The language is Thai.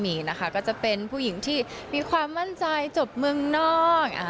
หรือว่าอรุณรัศมีร์นะคะก็จะเป็นผู้หญิงที่มีความมั่นใจจบเมืองนอก